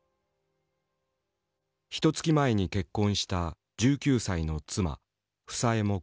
ひとつき前に結婚した１９歳の妻房江も加わった。